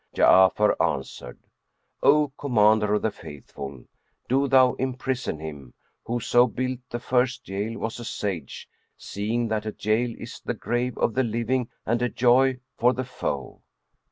Ja'afar answered, "O Commander of the Faithful, do thou imprison him; whoso built the first jail was a sage, seeing that a jail is the grave of the living and a joy for the foe."